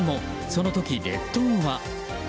その時、列島は。